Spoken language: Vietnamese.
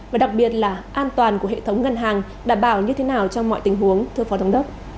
và đặc biệt là an toàn của hệ thống ngân hàng đảm bảo như thế nào trong mọi tình huống